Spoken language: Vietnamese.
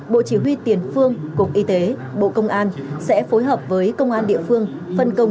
bộ chỉ huy tiền phương cục y tế bộ công an sẽ phối hợp với công an địa phương phân công